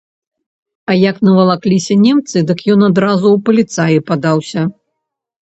А як навалакліся немцы, дык ён адразу ў паліцаі падаўся.